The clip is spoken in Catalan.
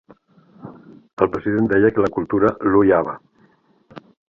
El president deia que la cultura l'oiava.